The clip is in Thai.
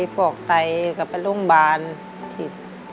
พวกไตกลับไปโรงพยาบาล